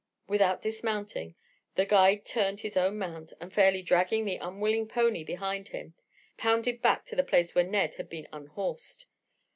Without dismounting, the guide turned his own mount, and fairly dragging the unwilling pony behind him, pounded back to the place where Ned had been unhorsed.